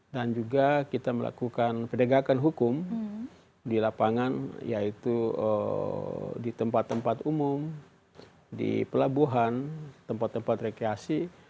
dan juga kita melakukan perdagangan hukum di lapangan yaitu di tempat tempat umum di pelabuhan tempat tempat rekreasi